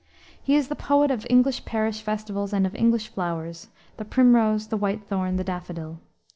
He is the poet of English parish festivals and of English flowers, the primrose, the whitethorn, the daffodil.